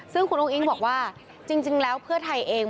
ซึ่งคุณอุ้งอิ๊งบอกว่าจริงแล้วเพื่อไทยเอง